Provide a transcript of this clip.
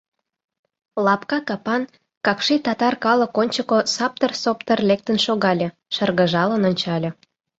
Лапка капан, какши татар калык ончыко сыптыр-соптыр лектын шогале, шыргыжалын ончале.